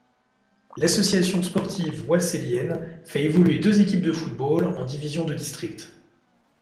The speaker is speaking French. L'Association sportive oisselienne fait évoluer deux équipes de football en divisions de district.